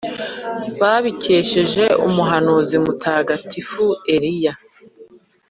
babikesheje umuhanuzi mutagatifu Eliya